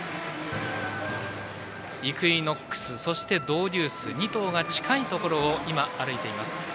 イクイノックスそしてドウデュース２頭が近いところを歩いています。